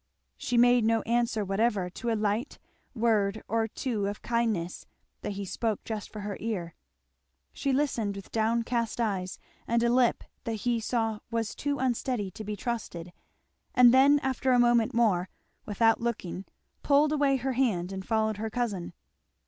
She made no answer whatever to a ligit word or two of kindness that he spoke just for her ear. She listened with downcast eyes and a lip that he saw was too unsteady to be trusted, and then after a moment more, without looking, pulled away her hand and followed her cousin.